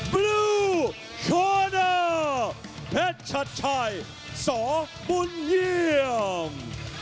เป็นชัดชัยสองบุญเยี่ยม